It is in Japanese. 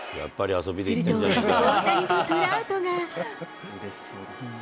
すると、大谷とトラウトが。